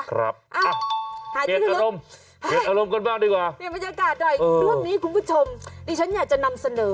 ครับอ้าวเกลียดอารมณ์ก่อนบ้างดีกว่าอ้าวเกลียดอารมณ์